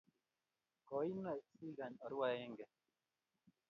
Koine sigany aruu agaengee